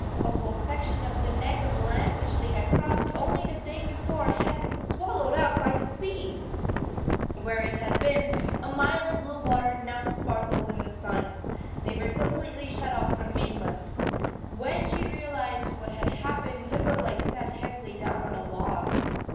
A whole section of the neck of land which they had crossed only the day before had been swallowed up by the sea ! Where it had been, a mile of blue water now sparkled in the sun! They were com pletely shut off from the main land. When she realized what had happened, Limberleg sat heavily down on a log.